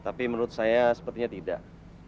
tapi menurut saya sepertinya tidak